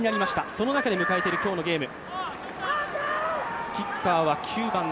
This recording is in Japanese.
その中で迎えている今日のゲーム。